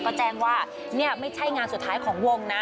ก็แจ้งว่านี่ไม่ใช่งานสุดท้ายของวงนะ